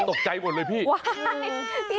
ตกใจหมดเลยพี่